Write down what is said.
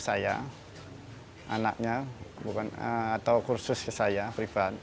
oh saya anaknya atau kursus saya pribadi